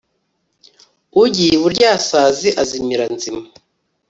ugiye iburyasazi azimira nzima